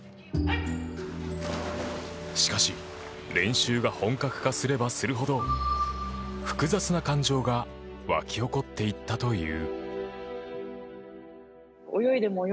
しかし、練習が本格化すればするほど複雑な感情が湧き起こっていったという。